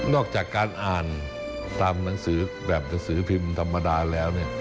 อกจากการอ่านตามหนังสือแบบหนังสือพิมพ์ธรรมดาแล้ว